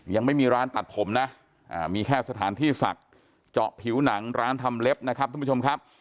ยังไม่มีร้านตัดผมนะมีแค่สถานที่ศักดิ์เจาะผิวหนังร้านทำเล็บนะครับทุกผู้ชมครับ